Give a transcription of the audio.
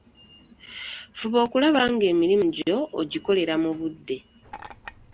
Fuuba okulaba nga emirimu gyo ogikolera mu budde.